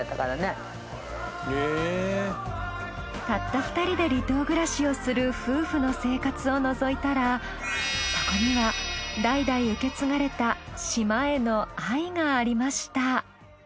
たった二人で離島暮らしをする夫婦の生活を覗いたらそこには代々受け継がれた島への愛がありました。